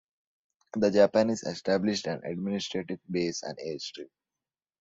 The Japanese established an administrative base and airstrip.